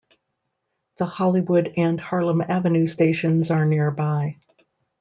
The Hollywood and Harlem Avenue stations are nearby.